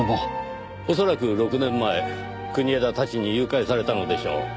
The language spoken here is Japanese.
恐らく６年前国枝たちに誘拐されたのでしょう。